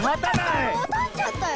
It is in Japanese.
たっちゃったよ。